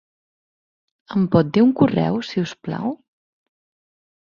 Em pot dir un correu, si us plau?